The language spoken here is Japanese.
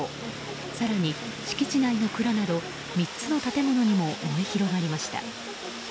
更に、敷地内の倉など３つの建物にも燃え広がりました。